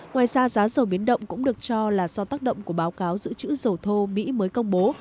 ngoài ra giá dầu biến động cũng được cho là do tác động của báo cáo giữ chữ dầu thô mỹ mới công bố